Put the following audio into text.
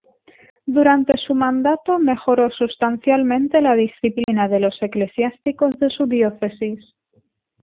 Durante su mandato mejoró sustancialmente la disciplina de los eclesiásticos de su diócesis.